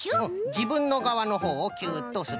じぶんのがわのほうをキュッとする。